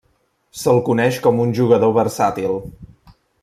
Se'l coneix com un jugador versàtil.